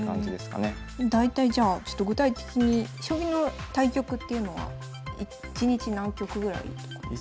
大体じゃあちょっと具体的に将棋の対局っていうのは１日何局ぐらいとかですか？